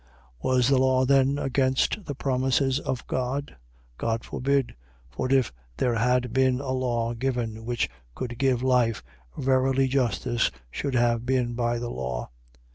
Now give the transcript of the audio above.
3:21. Was the law then against the promises of God: God forbid! For if there had been a law given which could give life, verily justice should have been by the law.